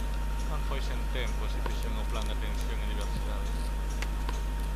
Non foi sen tempo se fixeron o Plan de atención e diversidade.